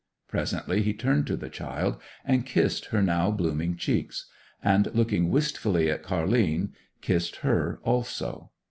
Presently he turned to the child and kissed her now blooming cheeks; and, looking wistfully at Car'line, kissed her also.